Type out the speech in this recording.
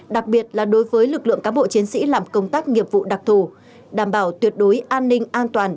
đặc biệt là đối với lực lượng cám bộ chiến sĩ làm công tác nghiệp vụ đặc thù đảm bảo tuyệt đối an ninh an toàn